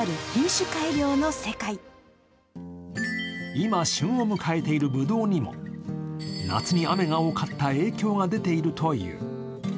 今、旬を迎えているぶどうにも夏に雨が多かった影響が出ているという。